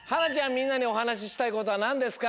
みんなにおはなししたいことはなんですか？